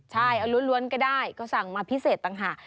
ใช่เอาล้วนก็ได้ก็สั่งมาพิเศษต่างหาก